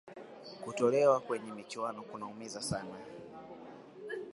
kutolewa kwenye michuano kunaumiza sana